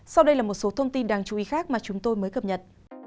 sau đây là một số thông tin đáng chú ý khác mà chúng tôi mới cập nhật